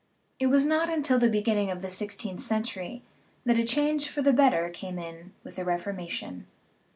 It was not until the beginning of the sixteenth century that a change for the better came in with the Reformation.